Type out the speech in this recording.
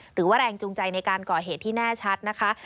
หรือว่าแรงจูงใจในการก่อเหตุที่แน่ชัดนะคะ